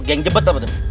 geng jebet apa tuh